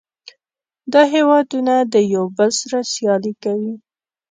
دا هیوادونه د یو بل سره سیالي کوي